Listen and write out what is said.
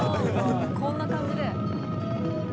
こんな感じで。